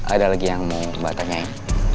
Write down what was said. ada lagi yang mau mbak tanyain